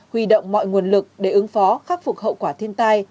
huy động mọi nguồn lực để ứng phó khắc phục hậu quả thiên tai